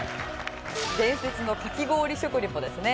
伝説のかき氷食リポですね。